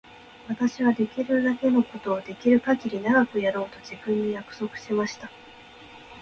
私はできるだけのことをできるかぎり長くやろうと自分に約束しました。